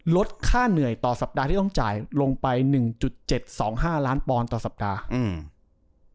ลดค่าเหนื่อยต่อสัปดาห์ที่ต้องจ่ายลงไป๑๗๒๕๐๐๐ปลอลต่อสัปดาห์